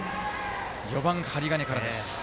４番、針金からです。